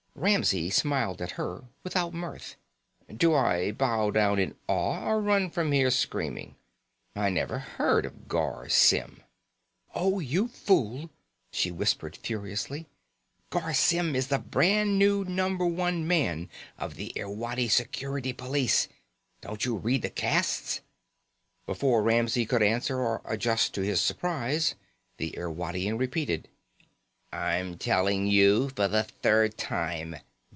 Ramsey smiled at her without mirth. "Do I bow down in awe or run from here screaming? I never heard of Garr Symm." "Oh you fool!" she whispered furiously. "Garr Symm is the brand new number one man of the Irwadi Security Police. Don't you read the 'casts?" Before Ramsey could answer or adjust to his surprise, the Irwadian repeated: "I'm telling you for the third time.